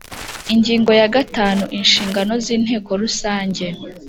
Ingingo ya gatanu Inshingano z Inteko rusange